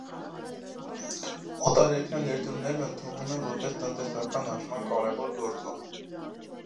Օտարերկրյա ներդրումներն ընդունվում են որպես տնտեսական աճման կարևոր գործոն։